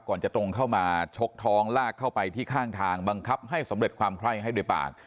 ก่อนจะตรงเข้ามาชกท้องลากเข้าไปที่ข้างทางบังคับให้สำเร็จความไคร้ให้โดยปาก